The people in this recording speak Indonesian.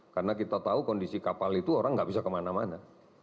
karena kita tahu kondisi kapal itu orang enggak bisa kemana mana